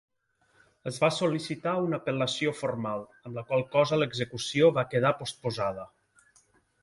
Es va sol·licitar una apel·lació formal, amb la qual cosa l'execució va quedar postposada.